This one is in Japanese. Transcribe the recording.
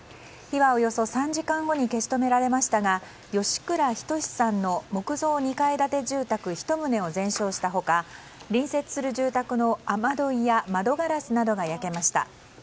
火はおよそ３時間後に消し止められましたが吉倉均さんの木造２階建て住宅１棟を全焼した他隣接する住宅の雨どいや窓ガラスなどが焼けました。